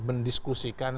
rekan tulisert empat